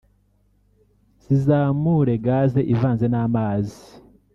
zizamure gaz ivanze n’amazi